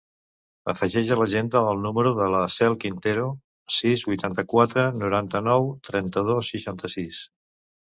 Afegeix a l'agenda el número de la Cel Quintero: sis, vuitanta-quatre, noranta-nou, trenta-dos, seixanta-sis.